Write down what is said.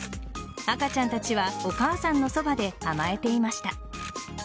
赤ちゃんたちはお母さんのそばで甘えていました。